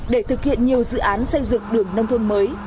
để thực hiện nhiều dự án xây dựng đường nông thôn mới